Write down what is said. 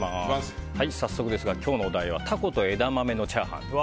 早速ですが、今日のお題はタコと枝豆のチャーハン。